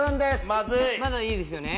まだいいですよね。